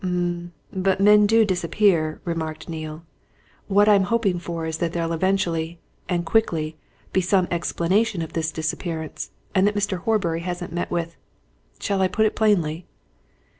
"Um! but men do disappear," remarked Neale. "What I'm hoping is that there'll eventually and quickly be some explanation of this disappearance, and that Mr. Horbury hasn't met with shall I put it plainly?"